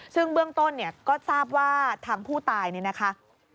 ซึ่งเบื้องต้นเนี่ยก็ทราบว่าทางผู้ตายเนี่ยนะคะ